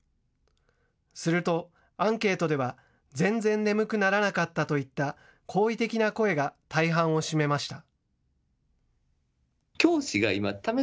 するとアンケートでは全然眠くならなかったといった好意的な声が大半を占めました。